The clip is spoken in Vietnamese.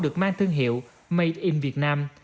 được mang thương hiệu made in vietnam